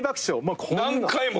何回も？